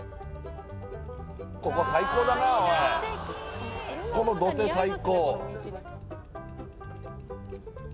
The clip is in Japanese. ここ最高だなオイこの土手最高！